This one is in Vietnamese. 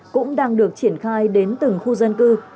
cũng đang được triển khai đến từng khu dân cư